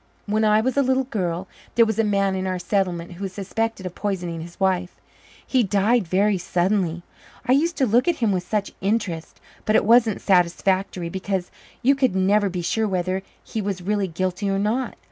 When I was a little girl, there was a man in our settlement who was suspected of poisoning his wife. She died very suddenly. I used to look at him with such interest. But it wasn't satisfactory, because you could never be sure whether he was really guilty or not.